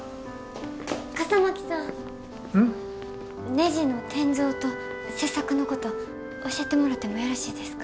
ねじの転造と切削のこと教えてもらってもよろしいですか？